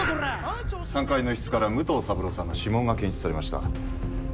３階の一室から武藤三朗さんの指紋が検出されました。